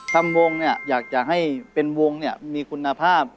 ทำวงเนี่ยอยากจะให้เป็นวงเนี่ยมีคุณภาพ